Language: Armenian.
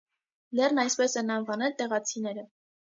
Լեռն այսպես են անվանել տեղացիները։